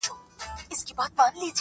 ما خو زولني په وینو سرې پکښي لیدلي دي!!